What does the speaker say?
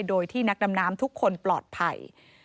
โดยที่นักดำน้ำทุกคนปลอดภัย